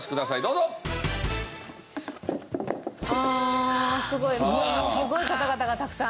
ものすごい方々がたくさん。